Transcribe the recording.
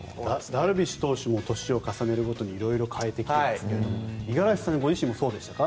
ダルビッシュ投手も年を重ねるごとに色々変えてきますが五十嵐さんご自身もそうでしたか？